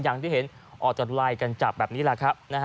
อย่างที่เห็นออกจากลายกันจับแบบนี้แหละ